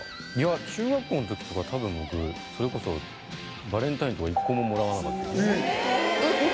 いや中学校の時とかたぶん僕それこそバレンタインとか１個ももらわなかったですね